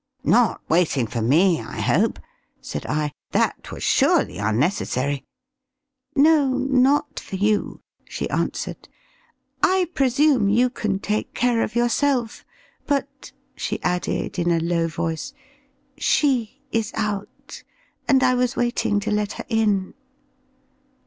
"Not waiting for me, I hope?" said I; "that was surely unnecessary." "No, not for you," she answered. "I presume you can take care of yourself; but," she added, in a low voice, "she is out, and I was waiting to let her in."